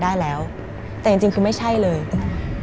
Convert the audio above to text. มันกลายเป็นรูปของคนที่กำลังขโมยคิ้วแล้วก็ร้องไห้อยู่